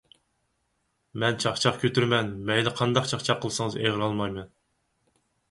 مەن چاقچاق كۆتۈرىمەن. مەيلى قانداق چاقچاق قىلسىڭىز ئېغىر ئالمايمەن.